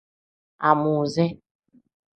Amuuze.